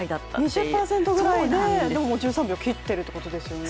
２０％ぐらいで、もう１３秒切ってるってことですよね。